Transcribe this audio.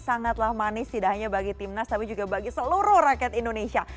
sangatlah manis tidak hanya bagi timnas tapi juga bagi seluruh rakyat indonesia